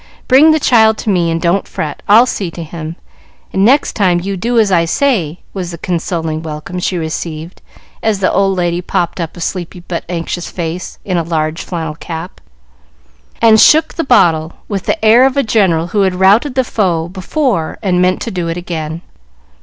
Bring the child to me, and don't fret. I'll see to him, and next time you do as I say," was the consoling welcome she received as the old lady popped up a sleepy but anxious face in a large flannel cap, and shook the bottle with the air of a general who had routed the foe before and meant to do it again.